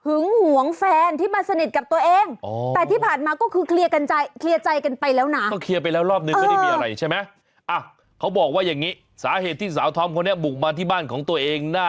เอออันนี้จะเปล่าประกาศนิดนึง